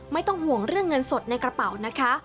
ไม่ต้องห่วงเรื่องเงินสดในกระเป๋านะคะ